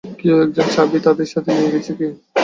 কেও একজন চাবি তাদের সাথে নিয়ে গেছে - কি?